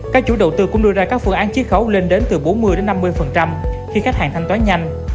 các chủ đầu tư cũng đưa ra các phương án chít khấu lên đến từ bốn mươi năm mươi khi khách hàng thanh toán nhanh